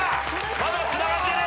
まだつながってる。